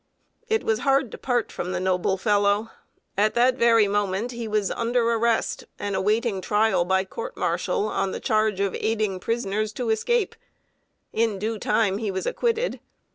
It was hard to part from the noble fellow. At that very moment he was under arrest, and awaiting trial by court martial, on the charge of aiding prisoners to escape. In due time he was acquitted.